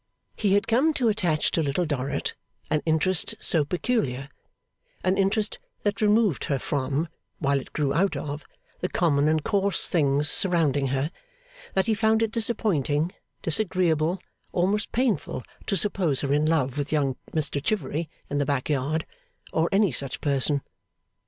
He had come to attach to Little Dorrit an interest so peculiar an interest that removed her from, while it grew out of, the common and coarse things surrounding her that he found it disappointing, disagreeable, almost painful, to suppose her in love with young Mr Chivery in the back yard, or any such person.